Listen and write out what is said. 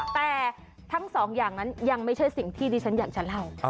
แต่ทั้งสองอย่างนั้นยังไม่ใช่สิ่งที่ดิฉันอยากจะเล่า